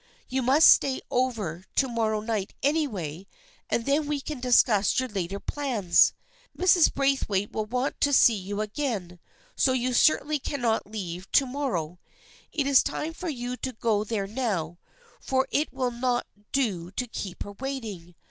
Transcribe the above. You must stay over to morrow night anyway, and then we can discuss your later plans. Mrs. Braithwaite will want to see you again, so you certainly cannot leave to mor row. It is time for you to go there now, for it will not do to keep her waiting.